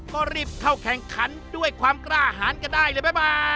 ก็รีบเข้าแข่งขันด้วยความกล้าหารก็ได้เลยแม่บา